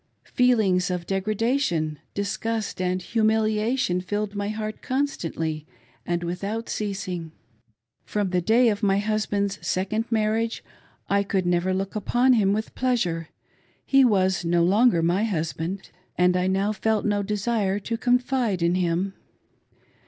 Feelings of degradation, disgust, and humilia ; tion filled my heart constantly and without ceasing. From the: day of my husband's second marriage, I could never look upon him with pleasure ^he was no longer my husband, and I now, felt, no desire to confide in him.